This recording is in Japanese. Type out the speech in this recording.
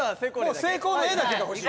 もう成功の画だけが欲しい。